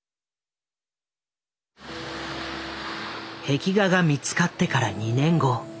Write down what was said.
壁画が見つかってから２年後。